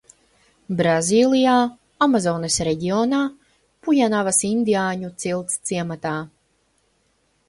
Brazīlijā, Amazones reģionā – pujanavas indiāņu cilts ciematā.